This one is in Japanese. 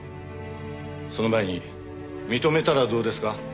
その前に認めたらどうですか？